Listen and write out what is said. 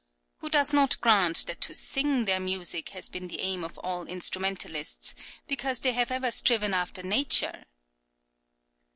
50); "who does not grant that to sing their music has been the aim of all instrumentalists, because they have ever striven after nature?"